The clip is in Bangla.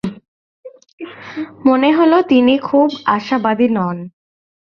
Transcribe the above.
মনে হল তিনি খুব আশাবাদী নন।